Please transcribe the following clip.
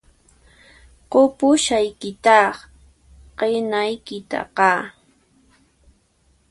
Qupushaykitáq qinaykitaqá